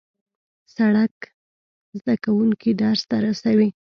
سړک زدهکوونکي درس ته رسوي.